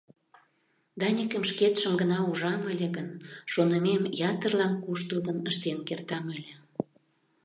Даникым шкетшым гына ужам ыле гын, шонымем ятырлан куштылгын ыштен кертам ыле...